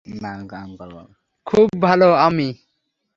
খুবই ভালো ছিল, আম্মি।